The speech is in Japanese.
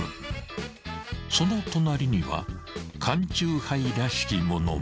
［その隣には缶酎ハイらしきものも］